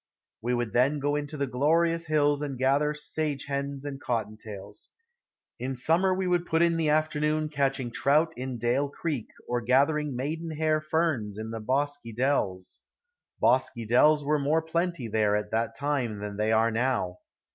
We would then go into the glorious hills and gather sage hens and cotton tails. In the summer we would put in the afternoon catching trout in Dale Creek or gathering maiden hair ferns in the bosky dells. Bosky dells were more plenty there at that time than they are now.